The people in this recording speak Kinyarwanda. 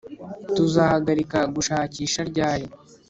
tuzahagarika gushakisha ryari